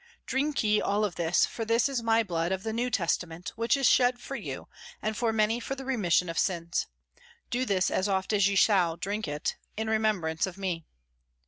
" Drink ye all of this, for this is My Blood of the New Testament, which is shed for you and for many for the remission of sins : Do this as oft as ye shall drink it, in remembrance of Me."